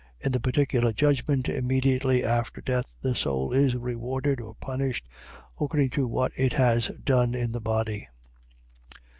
. .In the particular judgment, immediately after death, the soul is rewarded or punished according to what it has done in the body.